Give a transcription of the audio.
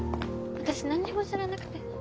私何にも知らなくて。